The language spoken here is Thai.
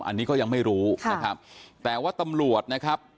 อันนี้ก็ยังไม่รู้นะครับแต่ว่าตำรวจนะครับ